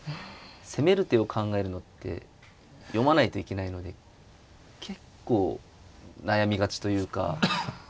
攻める手を考えるのって読まないといけないので結構悩みがちというか。